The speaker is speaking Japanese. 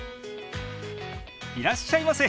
いらっしゃいませ！